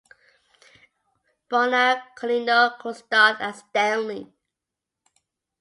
Bonar Colleano co-starred as Stanley.